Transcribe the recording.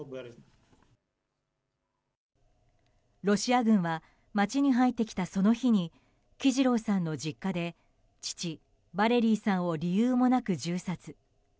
ロシア軍は街に入ってきたその日にキジロウさんの実家で父ヴァレリィさんを理由もなく銃殺。